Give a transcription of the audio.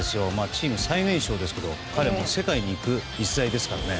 チーム最年少ですけど彼は世界にいく逸材ですからね。